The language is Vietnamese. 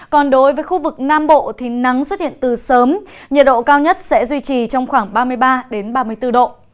còn đối với khu vực nam bộ thì nắng xuất hiện từ sớm nhiệt độ cao nhất sẽ duy trì trong khoảng ba mươi ba ba mươi bốn độ